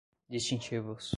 distintivos